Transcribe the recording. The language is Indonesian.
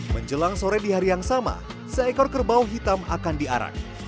menjelang sore di hari yang sama seekor kerbau hitam akan diarak